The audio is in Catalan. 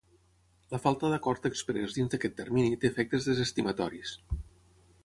La falta d'acord exprés dins d'aquest termini té efectes desestimatoris.